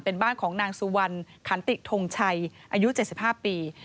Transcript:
เป็นบ้านของนางสุวรรณขันติทงชัยอายุ๗๕ปี